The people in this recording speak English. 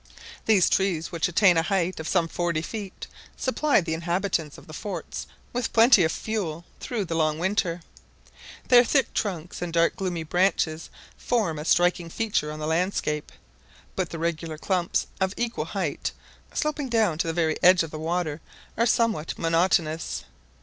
These trees, which attain a height of some forty feet, supply the inhabitants of the forts with plenty of fuel through the long winter. Their thick trunks and dark gloomy branches form a striking feature of the landscape; but the regular clumps of equal height, sloping down to the very edge of the water, are somewhat monotonous.